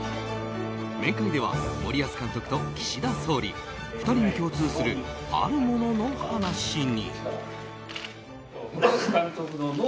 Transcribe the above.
面会では森保監督と岸田総理２人に共通する、あるものの話に。